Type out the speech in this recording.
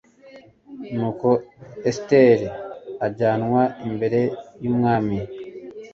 Nuko Esiteri ajyanwa imbere y Umwami